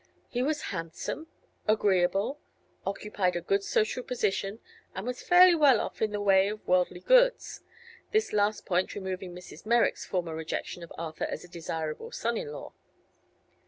He was handsome, agreeable, occupied a good social position and was fairly well off in the way of worldly goods the last point removing Mrs. Merrick's former rejection of Arthur as a desirable son in law.